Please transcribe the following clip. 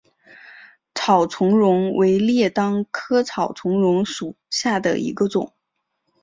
草苁蓉为列当科草苁蓉属下的一个种。